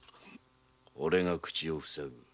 オレが口をふさぐ。